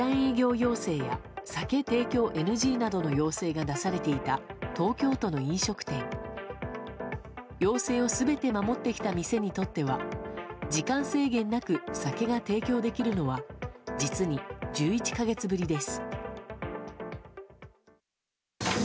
要請を全て守ってきた店にとっては時間制限なく酒が提供できるのは実に１１か月ぶりです。